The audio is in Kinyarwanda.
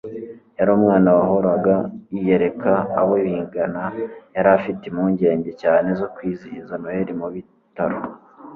yari umwana wahoraga yiyereka abo bigana. yari afite impungenge cyane zo kwizihiza noheri mu bitaro